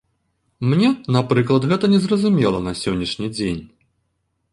Мне, напрыклад, гэта незразумела на сённяшні дзень.